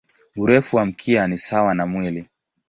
Urefu wa mkia ni sawa na mwili.